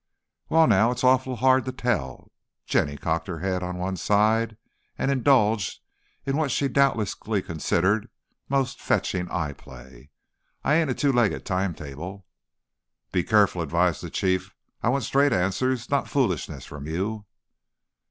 "Well, now, it's awful hard to tell that." Jenny cocked her head on one side, and indulged in what she doubtless considered most fetching eye play. "I ain't a two legged time table!" "Be careful," advised the Chief. "I want straight answers, not foolishness, from you."